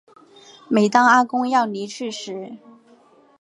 每当阿公要离去时